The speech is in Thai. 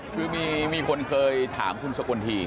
คือมีคนเคยถามคุณสกลที